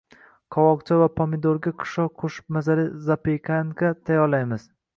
Qovoqcha va pomidorga pishloq qo‘shib mazali zapekanka tayyorlaymiz